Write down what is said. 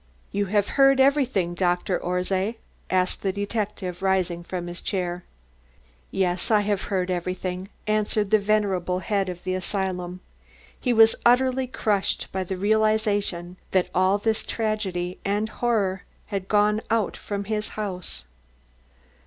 "You have heard everything, Dr. Orszay?" asked the detective, rising from his chair. "Yes, I have heard everything," answered the venerable head of the asylum. He was utterly crushed by the realisation that all this tragedy and horror had gone out from his house.